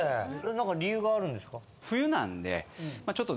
なんか理由があるんですか？